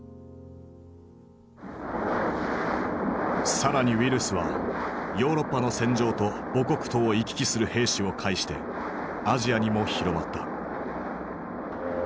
更にウイルスはヨーロッパの戦場と母国とを行き来する兵士を介してアジアにも広まった。